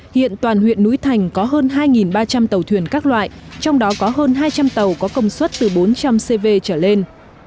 hiện toàn huyện núi thành có hơn hai ba trăm linh tàu thuyền các loại trong đó có hơn hai trăm linh tàu có công suất từ bốn trăm linh cv trở lên